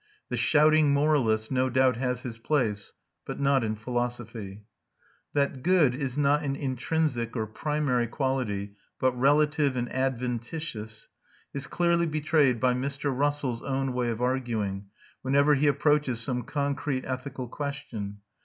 The shouting moralist no doubt has his place, but not in philosophy. That good is not an intrinsic or primary quality, but relative and adventitious, is clearly betrayed by Mr. Russell's own way of arguing, whenever he approaches some concrete ethical question.